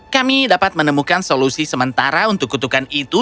kami dapat menemukan solusi sementara untuk kutukan itu